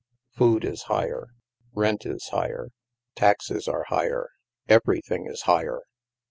Food is higher, rent is higher, taxes are higher, everything is higher